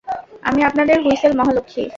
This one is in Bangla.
আমি আপনাদের হুঁইসেল মহালক্ষী।